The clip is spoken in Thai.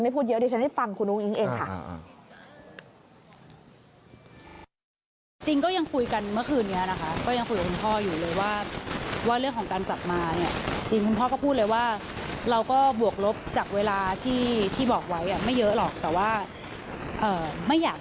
เปลี่ยนวันกลับเป็นที่ไหนก็ไม่ทราบ